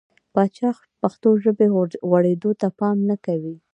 پاچا پښتو ژبې غوړېدو ته پام نه کوي .